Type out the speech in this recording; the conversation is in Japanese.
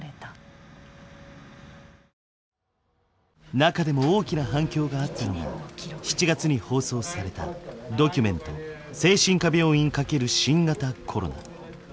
中でも大きな反響があったのが７月に放送された「ドキュメント精神科病院×新型コロナ」。